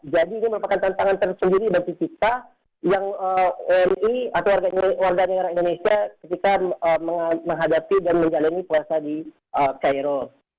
jadi ini merupakan tantangan tersendiri bagi kita yang oni atau warga negara indonesia ketika menghadapi dan menjalani puasa di cairo